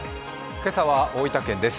今朝は大分県です。